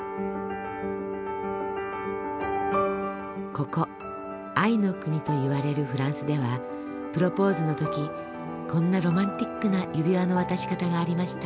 ここ愛の国といわれるフランスではプロポーズの時こんなロマンチックな指輪の渡し方がありました。